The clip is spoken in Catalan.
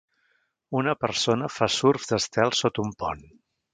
Una persona fa surf d'estel sota un pont.